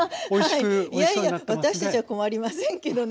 いやいや私たちは困りませんけどね。